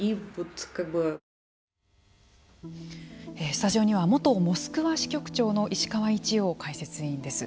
スタジオには元モスクワ支局長の石川一洋解説委員です。